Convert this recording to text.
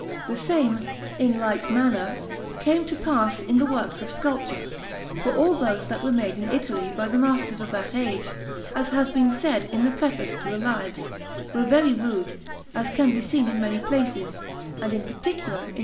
The same, in like manner, came to pass in the works of sculpture, for all those that were made in Italy by the masters of that age, as has been said in the Preface to the Lives, were very rude, as can be seen in many places, and in particular in S.